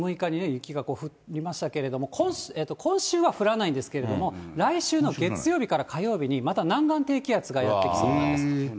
その地域によるんですけど、場所東京、今月６日にね、雪が降りましたけれども、今週は降らないんですけれども、来週の月曜日から火曜日にまた南岸低気圧がやって来そうなんです。